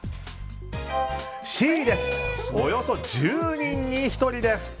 Ｃ、およそ１０人に１人です。